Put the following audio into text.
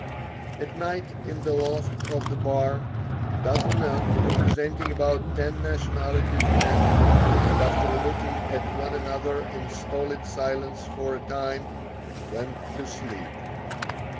At night in the loft of the barn, a dozen men, representing about ten nationalities met, and after looking at one another in stolid silence for a time, went to sleep.